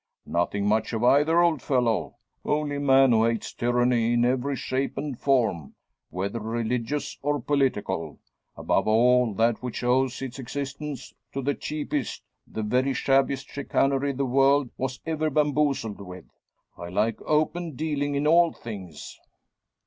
"Nothing much of either, old fellow. Only a man who hates tyranny in every shape and form whether religious or political. Above all, that which owes its existence to the cheapest the very shabbiest chicanery the world was ever bamboozled with. I like open dealing in all things."